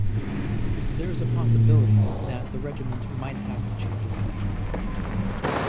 There is a possibility that the regiment might have to change its name.